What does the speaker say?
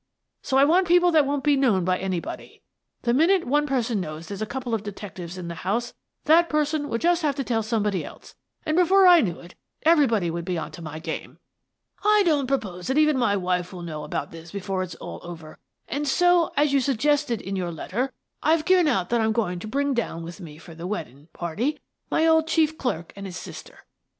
So I want people that won't be known by anybody. The minute one per son knows there's a couple of detectives in the house, that person would just have to tell somebody else, and, before I knew it, everybody would be on to my game. I don't propose that even my wife will know about this before it's all over, and so, as you suggested in your letter, I've given out that I'm going to bring down with me for the weddin' party my old chief clerk an' his sister.